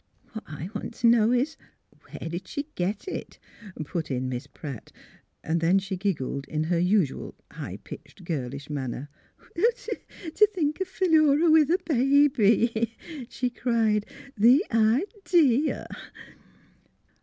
'' What I want t' know is, where did she get it? " put in Miss Pratt. Then she giggled, in her usual high pitched girl ish manner. 304 THE HEAET OF PHILURA '' To think of Philura with a hahy! " she cried. *' The i dee a!